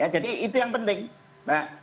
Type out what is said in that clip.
jadi itu yang penting mbak